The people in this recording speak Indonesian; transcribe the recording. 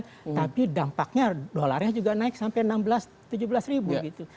tapi dampaknya dolarnya juga naik sampai enam belas tujuh belas ribu gitu